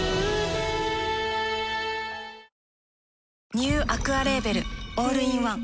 ニューアクアレーベルオールインワン